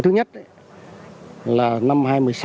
thứ nhất là năm hai nghìn một mươi sáu